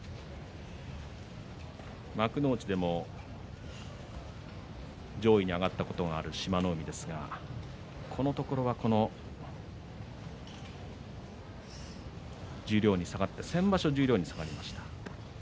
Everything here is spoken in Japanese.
幕内でも上位に上がったことのある志摩ノ海ですがこのところは十両に下がって先場所、十両に下がりました。